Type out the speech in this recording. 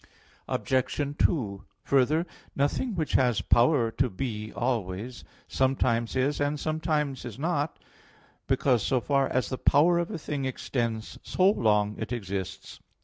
Obj. 2: Further, nothing which has power to be always, sometimes is and sometimes is not; because so far as the power of a thing extends so long it exists.